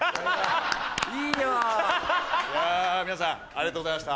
いやぁ皆さんありがとうございました。